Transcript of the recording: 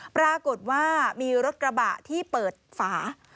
ปรากฏว่ามีรถกระบะที่เปิดฝา